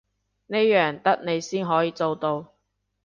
呢樣得你先可以做到